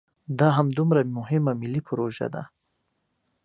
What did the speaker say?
دا همدومره مهمه ملي پروژه ده.